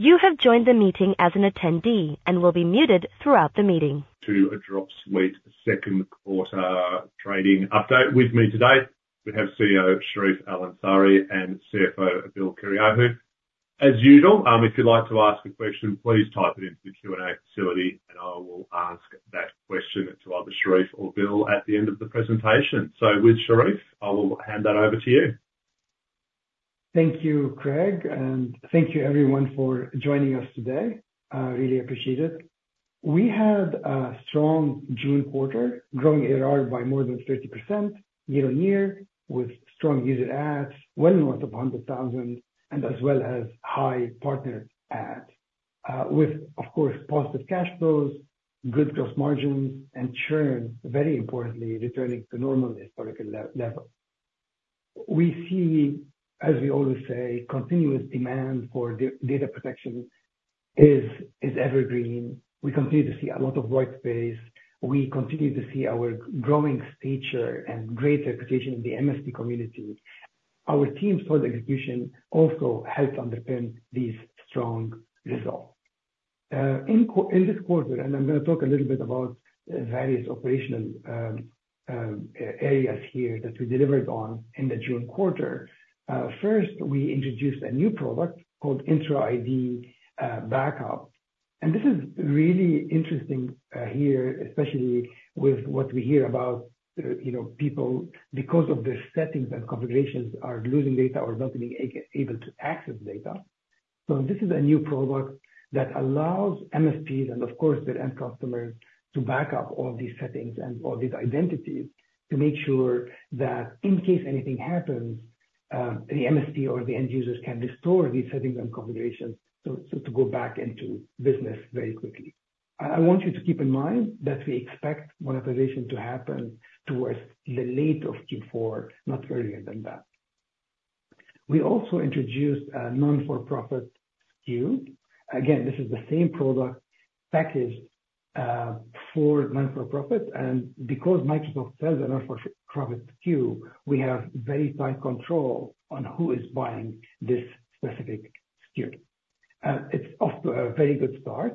You have joined the meeting as an attendee and will be muted throughout the meeting. To a Dropsuite second quarter trading update with me today. We have CEO, Charif El-Ansari and CFO, Bill Kyriacou. As usual, if you'd like to ask a question, please type it into the Q&A facility, and I will ask that question to either Charif or Bill at the end of the presentation. So, with Charif, I will hand that over to you. Thank you, Craig, and thank you, everyone, for joining us today. I really appreciate it. We had a strong June quarter, growing ARR by more than 30% year-on-year, with strong user adds, well north of 100,000, and as well as high partner adds, with, of course, positive cash flows, good gross margins, and churn, very importantly, returning to normal historical levels. We see, as we always say, continuous demand for data protection is evergreen. We continue to see a lot of white space. We continue to see our growing stature and great reputation in the MSP community. Our team's strong execution also helped underpin these strong results. In this quarter, and I'm going to talk a little bit about various operational areas here that we delivered on in the June quarter, first, we introduced a new product called Microsoft Entra ID Backup. This is really interesting here, especially with what we hear about people, because of the settings and configurations, are losing data or not being able to access data. So this is a new product that allows MSPs and, of course, their end customers to back up all these settings and all these identities to make sure that in case anything happens, the MSP or the end users can restore these settings and configurations to go back into business very quickly. I want you to keep in mind that we expect monetization to happen towards the late of Q4, not earlier than that. We also introduced a nonprofit SKU. Again, this is the same product packaged for nonprofit. And because Microsoft sells a nonprofit SKU, we have very tight control on who is buying this specific SKU. It's off to a very good start.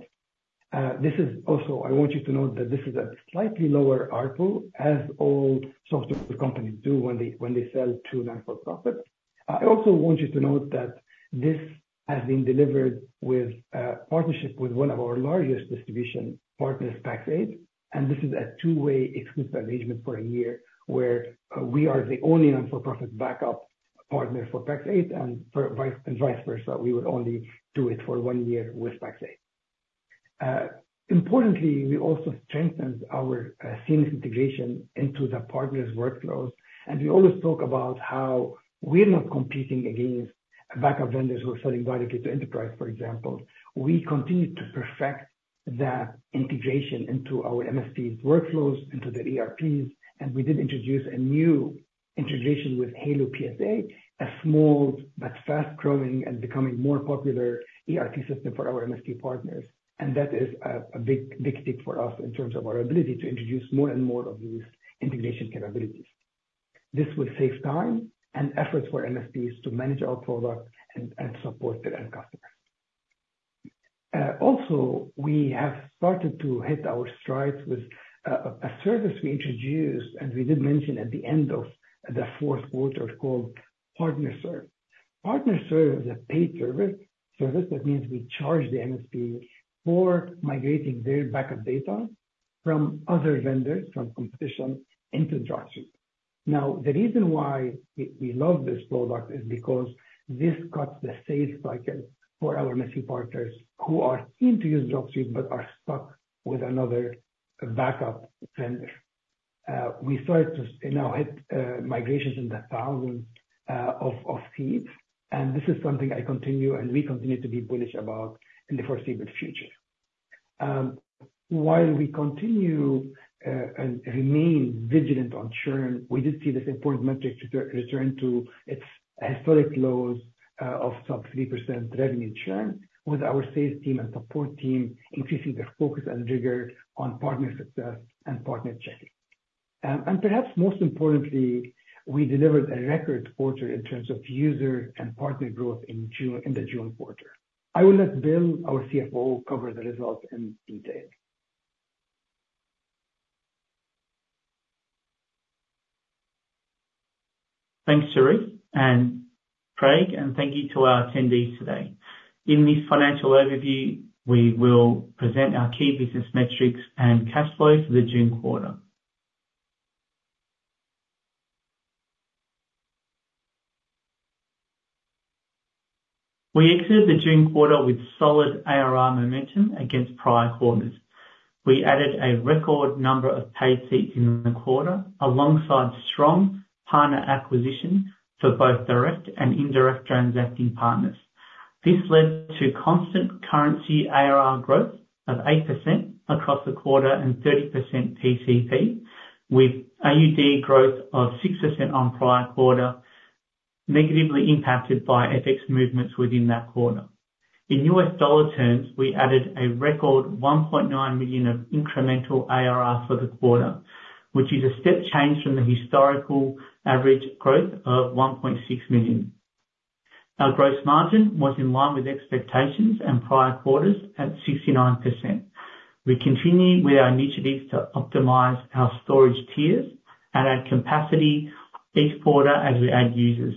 This is also, I want you to note that this is a slightly lower RPU, as all software companies do when they sell to nonprofit. I also want you to note that this has been delivered with partnership with one of our largest distribution partners, Pax8. And this is a two-way exclusive arrangement for a year, where we are the only nonprofit backup partner for Pax8, and vice versa. We would only do it for one year with Pax8. Importantly, we also strengthened our seamless integration into the partners' workflows. And we always talk about how we're not competing against backup vendors who are selling directly to enterprise, for example. We continue to perfect that integration into our MSP's workflows, into their ERPs. And we did introduce a new integration with HaloPSA, a small but fast-growing and becoming more popular ERP system for our MSP partners. That is a big tick for us in terms of our ability to introduce more and more of these integration capabilities. This will save time and effort for MSPs to manage our product and support their end customers. Also, we have started to hit our strides with a service we introduced, and we did mention at the end of the fourth quarter called PartnerServe. PartnerServe is a paid service. That means we charge the MSP for migrating their backup data from other vendors, from competition, into Dropsuite. Now, the reason why we love this product is because this cuts the sales cycle for our MSP partners who are keen to use Dropsuite but are stuck with another backup vendor. We started to now hit migrations in the thousands of seats. This is something I continue and we continue to be bullish about in the foreseeable future. While we continue and remain vigilant on churn, we did see this important metric return to its historic lows of sub-3% revenue churn, with our sales team and support team increasing their focus and rigor on partner success and partner checking. Perhaps most importantly, we delivered a record quarter in terms of user and partner growth in the June quarter. I will let Bill, our CFO, cover the results in detail. Thanks, Charif and Craig, and thank you to our attendees today. In this financial overview, we will present our key business metrics and cash flows for the June quarter. We exited the June quarter with solid ARR momentum against prior quarters. We added a record number of paid seats in the quarter, alongside strong partner acquisition for both direct and indirect transacting partners. This led to constant currency ARR growth of 8% across the quarter and 30% PCP, with AUD growth of 6% on prior quarter, negatively impacted by FX movements within that quarter. In U.S. dollar terms, we added a record $1.9 million of incremental ARR for the quarter, which is a step change from the historical average growth of $1.6 million. Our gross margin was in line with expectations and prior quarters at 69%. We continue with our initiatives to optimize our storage tiers and add capacity each quarter as we add users.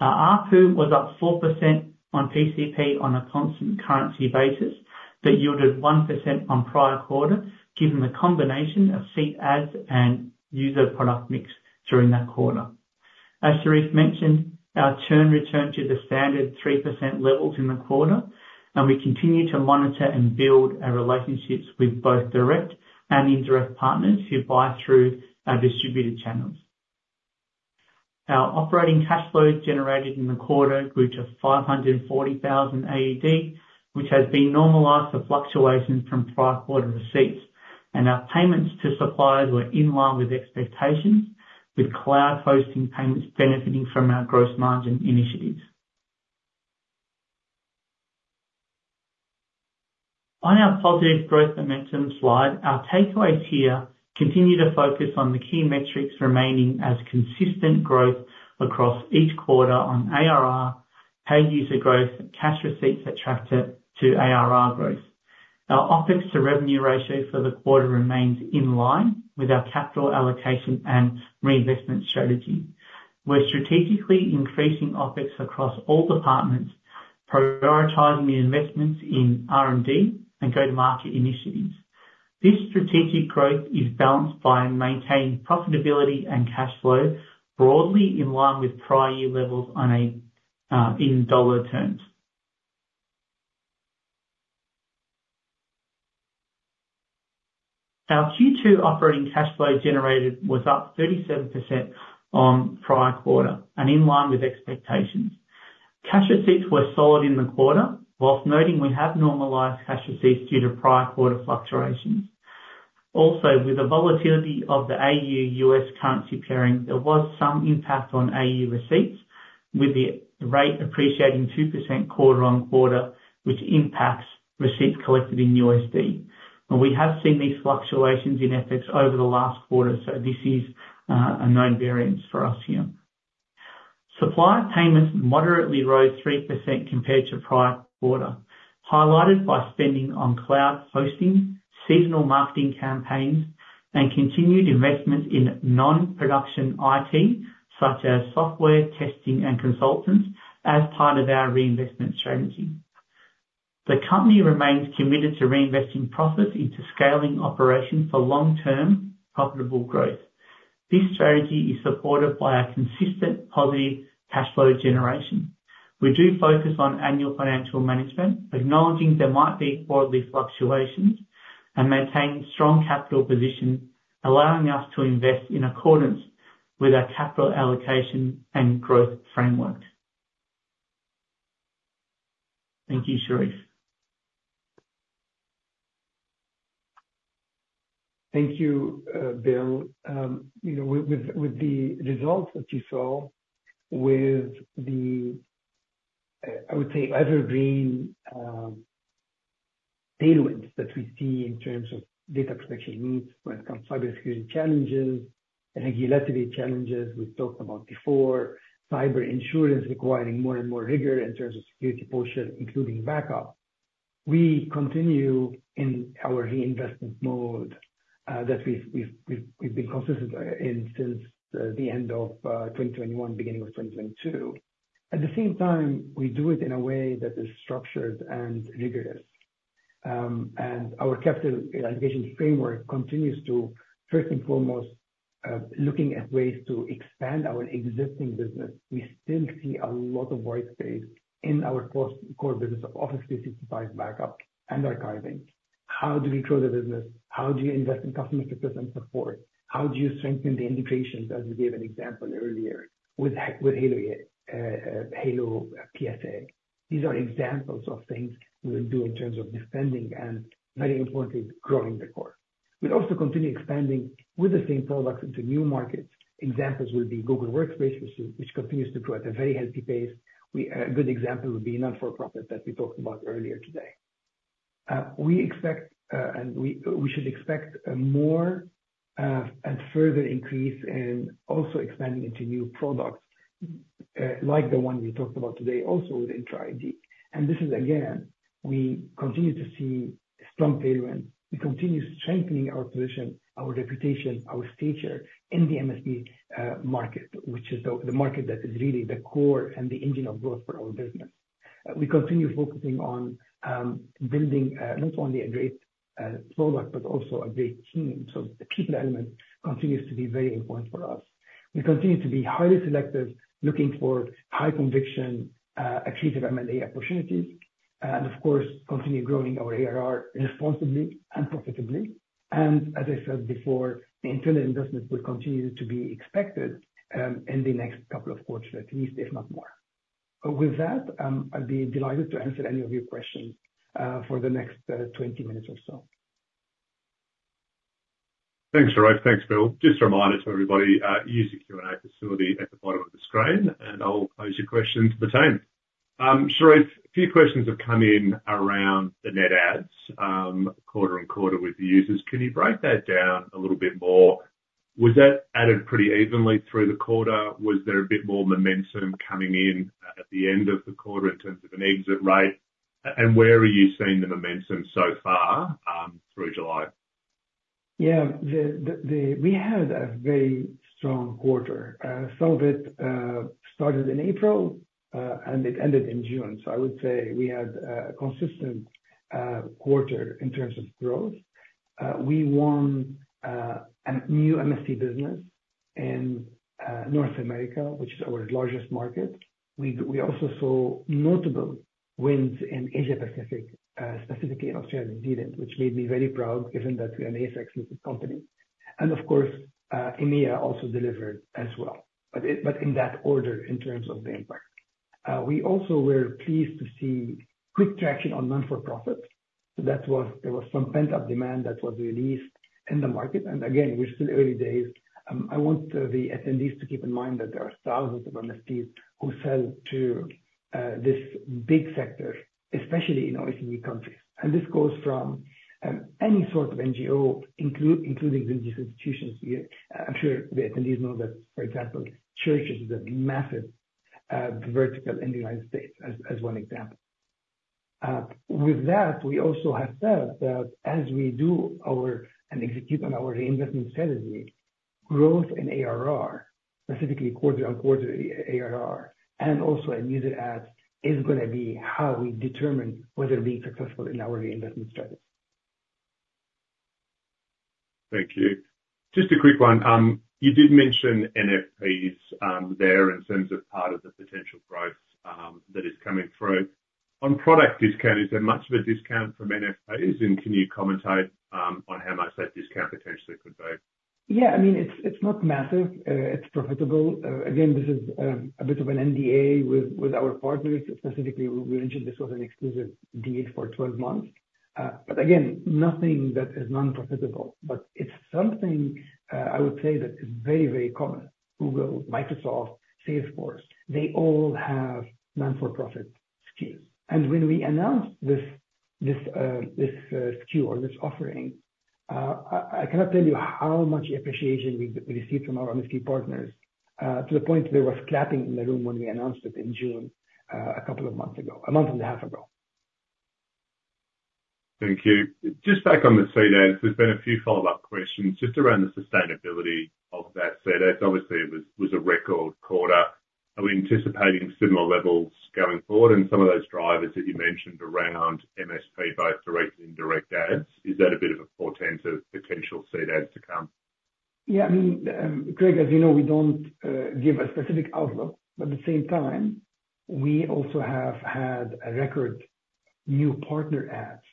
Our ARPU was up 4% on PCP on a constant currency basis, but yielded 1% on prior quarter, given the combination of seat adds and user product mix during that quarter. As Charif mentioned, our churn returned to the standard 3% levels in the quarter, and we continue to monitor and build our relationships with both direct and indirect partners who buy through our distributed channels. Our operating cash flow generated in the quarter grew to AUD 540,000, which has been normalized for fluctuations from prior quarter receipts. Our payments to suppliers were in line with expectations, with cloud hosting payments benefiting from our gross margin initiatives. On our positive growth momentum slide, our takeaways here continue to focus on the key metrics remaining as consistent growth across each quarter on ARR, paid user growth, cash receipts attracted to ARR growth. Our OPEX to revenue ratio for the quarter remains in line with our capital allocation and reinvestment strategy. We're strategically increasing OPEX across all departments, prioritizing investments in R&D and go-to-market initiatives. This strategic growth is balanced by maintaining profitability and cash flow broadly in line with prior year levels in dollar terms. Our Q2 operating cash flow generated was up 37% on prior quarter, and in line with expectations. Cash receipts were solid in the quarter, while noting we have normalized cash receipts due to prior quarter fluctuations. Also, with the volatility of the AUD/USD currency pairing, there was some impact on AUD receipts, with the rate appreciating 2% quarter-on-quarter, which impacts receipts collected in USD. And we have seen these fluctuations in FX over the last quarter, so this is a known variance for us here. Supplier payments moderately rose 3% compared to prior quarter, highlighted by spending on cloud hosting, seasonal marketing campaigns, and continued investment in non-production IT, such as software testing and consultants, as part of our reinvestment strategy. The company remains committed to reinvesting profits into scaling operations for long-term profitable growth. This strategy is supported by our consistent positive cash flow generation. We do focus on annual financial management, acknowledging there might be quarterly fluctuations, and maintain strong capital positions, allowing us to invest in accordance with our capital allocation and growth framework. Thank you, Charif. Thank you, Bill. With the results that you saw, with the, I would say, evergreen tailwinds that we see in terms of data protection needs when it comes to cybersecurity challenges, regulatory challenges we've talked about before, cyber insurance requiring more and more rigor in terms of security portion, including backup, we continue in our reinvestment mode that we've been consistent in since the end of 2021, beginning of 2022. At the same time, we do it in a way that is structured and rigorous. Our capital allocation framework continues to, first and foremost, look at ways to expand our existing business. We still see a lot of white space in our core business of Office 365 backup and archiving. How do we grow the business? How do you invest in customer success and support? How do you strengthen the integrations, as you gave an example earlier, with HaloPSA? These are examples of things we will do in terms of defending and, very importantly, growing the quarter. We'll also continue expanding with the same products into new markets. Examples will be Google Workspace, which continues to grow at a very healthy pace. A good example would be nonprofit that we talked about earlier today. We expect, and we should expect, a more and further increase in also expanding into new products like the one we talked about today, also with Entra ID. And this is, again, we continue to see strong tailwinds. We continue strengthening our position, our reputation, our stature in the MSP market, which is the market that is really the core and the engine of growth for our business. We continue focusing on building not only a great product, but also a great team. So the people element continues to be very important for us. We continue to be highly selective, looking for high conviction, accretive M&A opportunities, and, of course, continue growing our ARR responsibly and profitably. As I said before, the internal investment will continue to be expected in the next couple of quarters, at least, if not more. With that, I'll be delighted to answer any of your questions for the next 20 minutes or so. Thanks, Charif. Thanks, Bill. Just a reminder to everybody, use the Q&A facility at the bottom of the screen, and I'll pose your questions to the team. Charif, a few questions have come in around the net adds quarter on quarter with the users. Can you break that down a little bit more? Was that added pretty evenly through the quarter? Was there a bit more momentum coming in at the end of the quarter in terms of an exit rate? And where are you seeing the momentum so far through July? Yeah, we had a very strong quarter. Some of it started in April, and it ended in June. So I would say we had a consistent quarter in terms of growth. We won a new MSP business in North America, which is our largest market. We also saw notable wins in Asia Pacific, specifically in Australia and New Zealand, which made me very proud, given that we are an ASX-listed company. And of course, EMEA also delivered as well, but in that order in terms of the impact. We also were pleased to see quick traction on nonprofit. There was some pent-up demand that was released in the market. And again, we're still early days. I want the attendees to keep in mind that there are thousands of MSPs who sell to this big sector, especially in OECD countries. And this goes from any sort of NGO, including these institutions. I'm sure the attendees know that, for example, churches is a massive vertical in the United States, as one example. With that, we also have said that as we do and execute on our reinvestment strategy, growth in ARR, specifically quarter-on-quarter ARR, and also in user adds, is going to be how we determine whether we're successful in our reinvestment strategy. Thank you. Just a quick one. You did mention NFPs there in terms of part of the potential growth that is coming through. On product discount, is there much of a discount from NFPs? And can you commentate on how much that discount potentially could be? Yeah, I mean, it's not massive. It's profitable. Again, this is a bit of an NDA with our partners. Specifically, we mentioned this was an exclusive deal for 12 months. But again, nothing that is non-profitable. But it's something I would say that is very, very common. Google, Microsoft, Salesforce, they all have nonprofit SKUs. And when we announced this SKU or this offering, I cannot tell you how much appreciation we received from our MSP partners, to the point there was clapping in the room when we announced it in June a couple of months ago, a month and a half ago. Thank you. Just back on the seat adds, there's been a few follow-up questions just around the sustainability of those seat adds. Obviously, it was a record quarter. Are we anticipating similar levels going forward? And some of those drivers that you mentioned around MSP, both direct and indirect adds, is that a bit of a portent for potential seat adds to come? Yeah, I mean, Craig, as you know, we don't give a specific outlook. But at the same time, we also have had a record new partner adds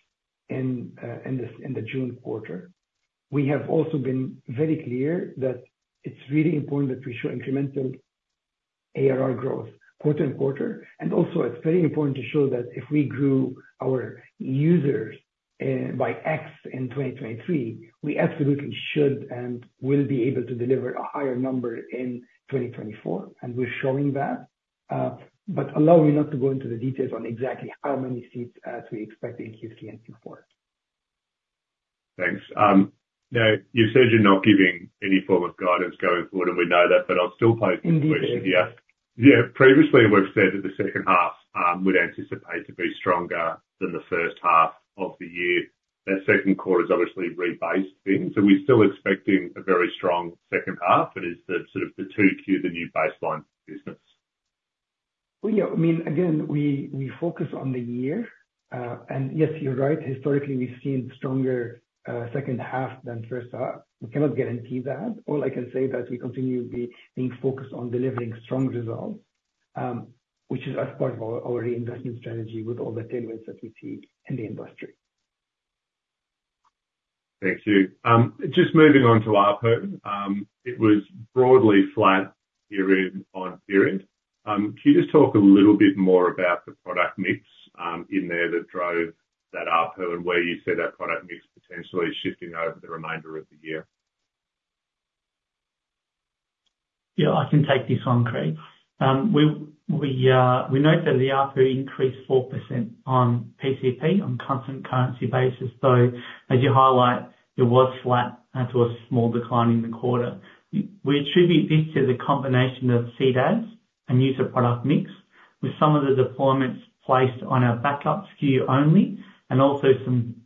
in the June quarter. We have also been very clear that it's really important that we show incremental ARR growth quarter-over-quarter. And also, it's very important to show that if we grew our users by X in 2023, we absolutely should and will be able to deliver a higher number in 2024. And we're showing that. But allow me not to go into the details on exactly how many seat adds we expect in Q3 and Q4. Thanks. Now, you said you're not giving any form of guidance going forward, and we know that, but I'll still pose this question. Indeed. Yeah. Yeah, previously, we've said that the second half would anticipate to be stronger than the first half of the year. That second quarter is obviously rebased then. So we're still expecting a very strong second half, but is the sort of the 2Q, the new baseline for business? Well, yeah, I mean, again, we focus on the year. And yes, you're right. Historically, we've seen stronger second half than first half. We cannot guarantee that. All I can say is that we continue to be being focused on delivering strong results, which is as part of our reinvestment strategy with all the tailwinds that we see in the industry. Thank you. Just moving on to ARPU, it was broadly flat year-on-year. Can you just talk a little bit more about the product mix in there that drove that ARPU and where you see that product mix potentially shifting over the remainder of the year? Yeah, I can take this one, Craig. We note that the ARPU increased 4% on PCP on a constant currency basis. Though, as you highlight, it was flat to a small decline in the quarter. We attribute this to the combination of seat adds and user product mix, with some of the deployments placed on our backup SKU only, and also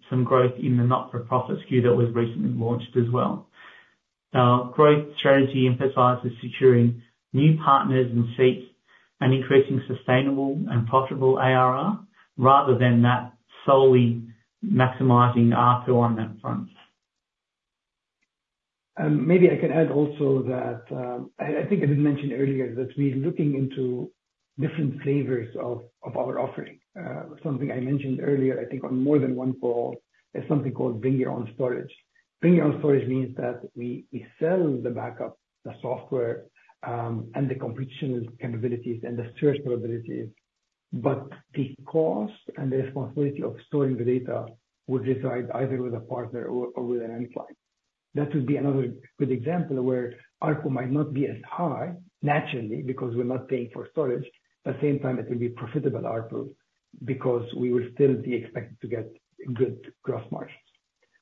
some growth in the nonprofit SKU that was recently launched as well. Our growth strategy emphasizes securing new partners and seats and increasing sustainable and profitable ARR, rather than that solely maximizing ARPU on that front. Maybe I can add also that I think I did mention earlier that we're looking into different flavors of our offering. Something I mentioned earlier, I think on more than one call, is something called Bring Your Own Storage. Bring Your Own Storage means that we sell the backup, the software, and the computational capabilities and the storage capabilities, but the cost and the responsibility of storing the data would reside either with a partner or with an end client. That would be another good example where ARPU might not be as high, naturally, because we're not paying for storage. At the same time, it would be profitable ARPU because we will still be expected to get good gross margins.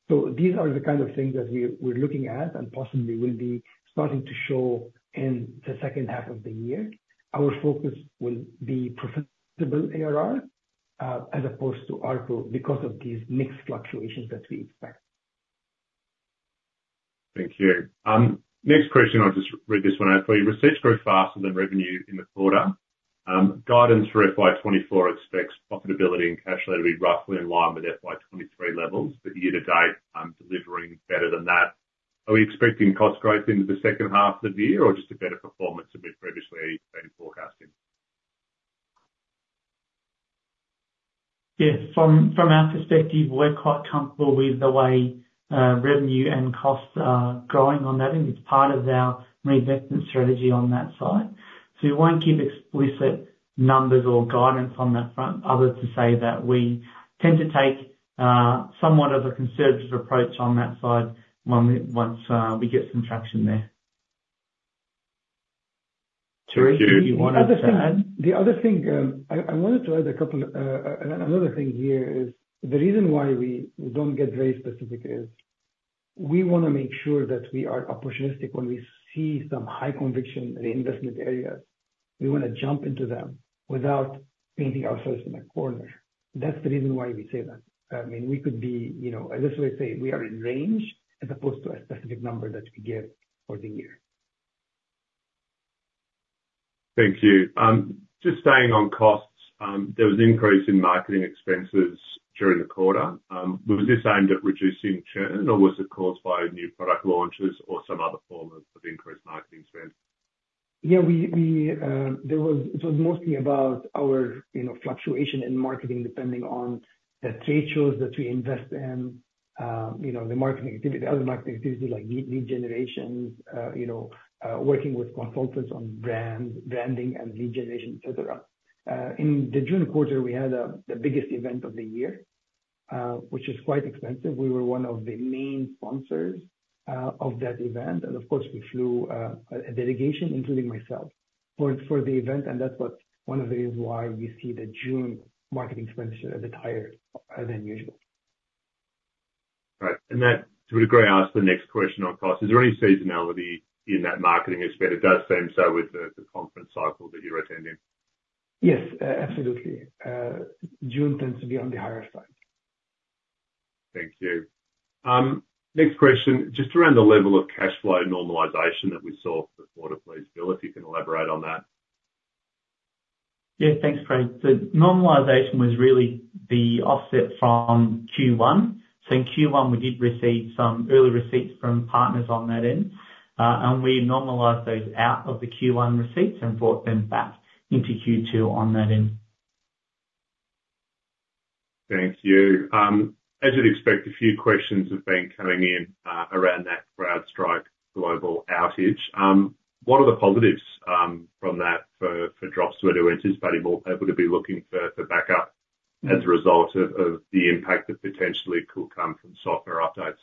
So these are the kind of things that we're looking at and possibly will be starting to show in the second half of the year. Our focus will be profitable ARR as opposed to ARPU because of these mixed fluctuations that we expect. Thank you. Next question, I'll just read this one out for you. R&D growth faster than revenue in the quarter. Guidance for FY24 expects profitability and cash flow to be roughly in line with FY23 levels, but year-to-date delivering better than that. Are we expecting cost growth into the second half of the year or just a better performance than we previously been forecasting? Yeah, from our perspective, we're quite comfortable with the way revenue and costs are growing on that. I think it's part of our reinvestment strategy on that side. So we won't give explicit numbers or guidance on that front, other than to say that we tend to take somewhat of a conservative approach on that side once we get some traction there. Charif, did you want to add something? The other thing I wanted to add here is the reason why we don't get very specific is we want to make sure that we are opportunistic when we see some high-conviction reinvestment areas. We want to jump into them without painting ourselves in a corner. That's the reason why we say that. I mean, we could be, as I say, we are in range as opposed to a specific number that we give for the year. Thank you. Just staying on costs, there was an increase in marketing expenses during the quarter. Was this aimed at reducing churn, or was it caused by new product launches or some other form of increased marketing spend? Yeah, it was mostly about our fluctuation in marketing, depending on the trade shows that we invest in, the marketing activity, other marketing activities like lead generation, working with consultants on branding and lead generation, etc. In the June quarter, we had the biggest event of the year, which is quite expensive. We were one of the main sponsors of that event. And of course, we flew a delegation, including myself, for the event. And that's one of the reasons why we see the June marketing expenditure a bit higher than usual. Right. And that sort of grays out the next question on cost. Is there any seasonality in that marketing expenditure? It does seem so with the conference cycle that you're attending. Yes, absolutely. June tends to be on the higher side. Thank you. Next question, just around the level of cash flow normalization that we saw for the quarter's lease liability, if you can elaborate on that. Yeah, thanks, Craig. So normalization was really the offset from Q1. So in Q1, we did receive some early receipts from partners on that end. And we normalized those out of the Q1 receipts and brought them back into Q2 on that end. Thank you. As you'd expect, a few questions have been coming in around that CrowdStrike global outage. What are the positives from that for Dropsuite? We're anticipating we'll be able to be looking for backup as a result of the impact that potentially could come from software updates.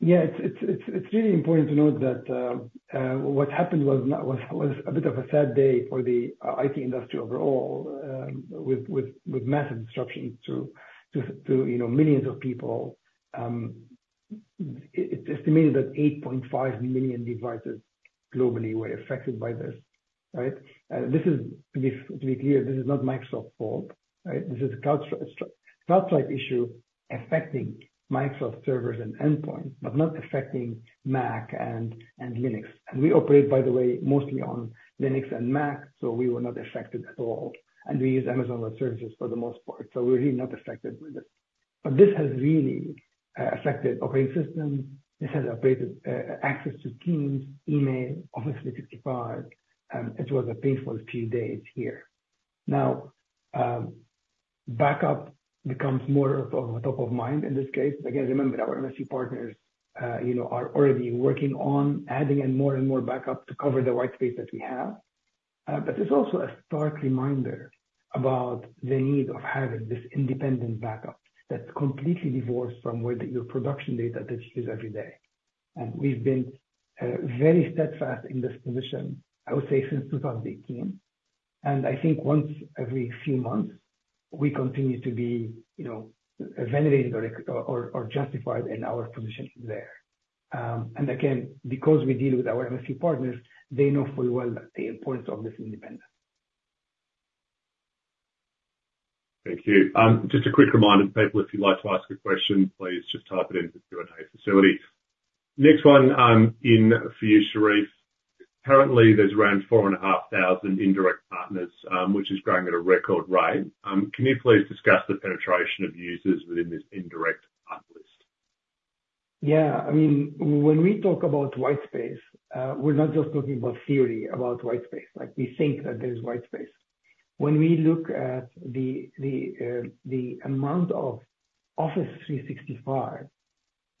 Yeah, it's really important to note that what happened was a bit of a sad day for the IT industry overall, with massive disruptions to millions of people. It's estimated that 8.5 million devices globally were affected by this. Right? And this is, to be clear, this is not Microsoft's fault. Right? This is a CrowdStrike issue affecting Microsoft servers and endpoints, but not affecting Mac and Linux. And we operate, by the way, mostly on Linux and Mac, so we were not affected at all. And we use Amazon Web Services for the most part. So we're really not affected with it. But this has really affected operating systems. This has updated access to Teams, email, Office 365. It was a painful few days here. Now, backup becomes more of a top of mind in this case. Again, remember, our MSP partners are already working on adding in more and more backup to cover the white space that we have. But it's also a stark reminder about the need of having this independent backup that's completely divorced from your production data that you use every day. And we've been very steadfast in this position, I would say, since 2018. And I think once every few months, we continue to be validated or justified in our position there. And again, because we deal with our MSP partners, they know full well the importance of this independence. Thank you. Just a quick reminder, people, if you'd like to ask a question, please just type it into the Q&A facility. Next one in for you, Charif. Currently, there's around 4,500 indirect partners, which is growing at a record rate. Can you please discuss the penetration of users within this indirect uplist? Yeah, I mean, when we talk about white space, we're not just talking about theory about white space. We think that there's white space. When we look at the amount of Office 365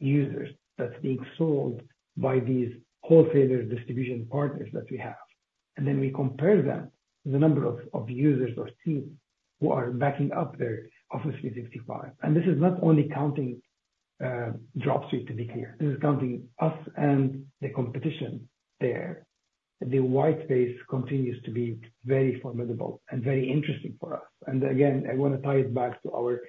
users that's being sold by these wholesaler distribution partners that we have, and then we compare them to the number of users or teams who are backing up their Office 365. And this is not only counting Dropsuite to be clear. This is counting us and the competition there. The white space continues to be very formidable and very interesting for us. And again, I want to tie it back to our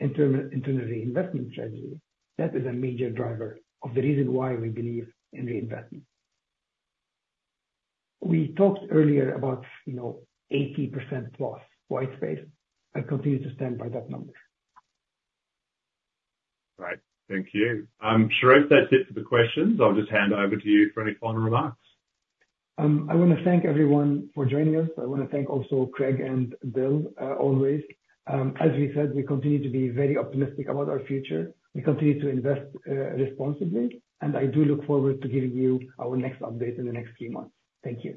internal reinvestment strategy. That is a major driver of the reason why we believe in reinvestment. We talked earlier about 80%+ white space. I continue to stand by that number. Right. Thank you. Charif, that's it for the questions. I'll just hand over to you for any final remarks. I want to thank everyone for joining us. I want to thank also Craig and Bill, always. As we said, we continue to be very optimistic about our future. We continue to invest responsibly. I do look forward to giving you our next update in the next few months. Thank you.